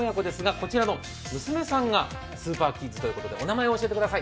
こちらの娘さんがスーパーキッズということで、お名前教えてください。